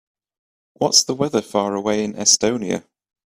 What's the weather far away in Estonia?